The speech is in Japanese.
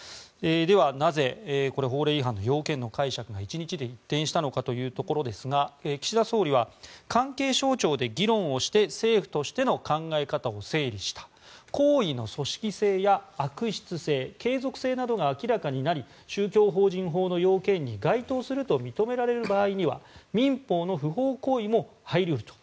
では、なぜ法令違反の要件の解釈が１日で一転したのかというところですが、岸田総理は関係省庁で議論をして政府としての考え方を整理した行為の組織性や悪質性継続性などが明らかになり宗教法人法の要件に該当すると認められる場合には民法の不法行為も入り得ると。